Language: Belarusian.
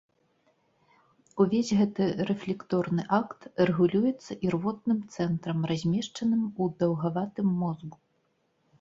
Увесь гэты рэфлекторны акт рэгулюецца ірвотным цэнтрам, размешчаным у даўгаватым мозгу.